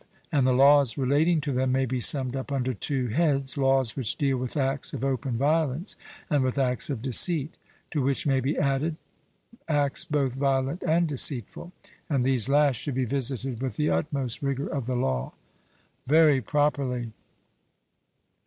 And the laws relating to them may be summed up under two heads, laws which deal with acts of open violence and with acts of deceit; to which may be added acts both violent and deceitful, and these last should be visited with the utmost rigour of the law. 'Very properly.'